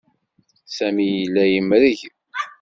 Sami yella yemreg.